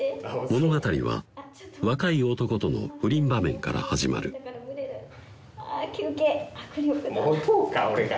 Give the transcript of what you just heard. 物語は若い男との不倫場面から始まる「あぁ休憩握力が」